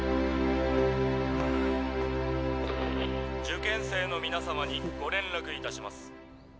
「受験生の皆様にご連絡いたします。